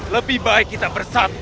lebih baik kita bersatu